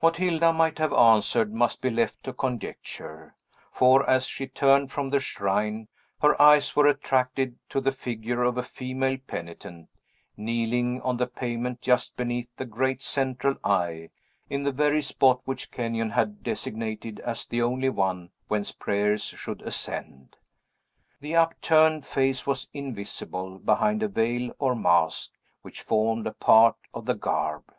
What Hilda might have answered must be left to conjecture; for as she turned from the shrine, her eyes were attracted to the figure of a female penitent, kneeling on the pavement just beneath the great central eye, in the very spot which Kenyon had designated as the only one whence prayers should ascend. The upturned face was invisible, behind a veil or mask, which formed a part of the garb.